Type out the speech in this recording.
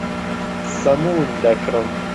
سەمون دەکڕم.